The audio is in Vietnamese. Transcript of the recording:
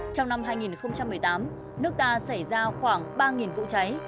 trong năm hai nghìn một mươi tám nước ta xảy ra khoảng ba vụ cháy